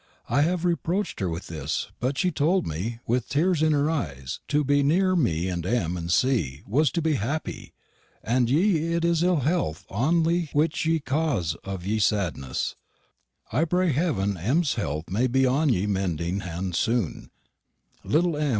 I hav reproched her with this, but she tolde me, with teres in her eys, to be neare mee and M. and C. was to be happie, and ye it is il helth onlie wich is ye cawse of ye sadnesse. I pray heaven M.'s helth may be on ye mending hand soone. Little M.